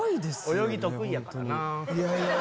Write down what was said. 泳ぎ得意やからな。